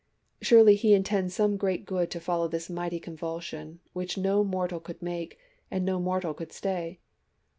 Surely he intends some great good to follow this mighty convulsion, which no mortal could make, and no mortal could stay.